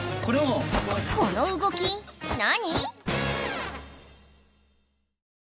この動き何？